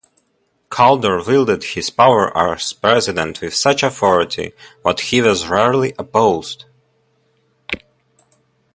Calder wielded his power as president with such authority that he was rarely opposed.